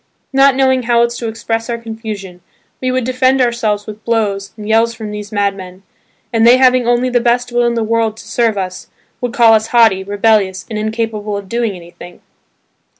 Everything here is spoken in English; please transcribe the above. Not knowing how else to express our confusion we would defend ourselves with blows and yells from these madmen, and they having only the best will in the world to serve us, would call us haughty, rebellious, and incapable of doing anything.